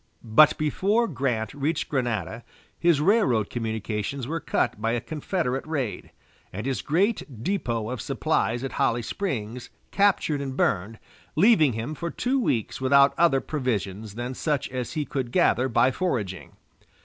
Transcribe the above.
But before Grant reached Grenada his railroad communications were cut by a Confederate raid, and his great depot of supplies at Holly Springs captured and burned, leaving him for two weeks without other provisions than such as he could gather by foraging.